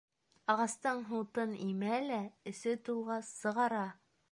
Ағастың һутын имә лә, эсе тулғас, сығара.